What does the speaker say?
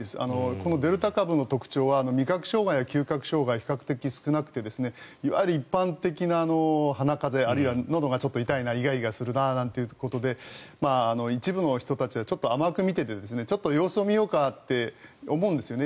このデルタ株の特徴は味覚障害や嗅覚障害が比較的少なくていわゆる一般的な鼻風邪あるいは、ちょっとのどが痛いなイガイガするな、なんてことで一部の人はちょっと甘く見て様子を見ようかって思うんですよね。